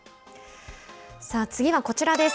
さあ、次はこちらです。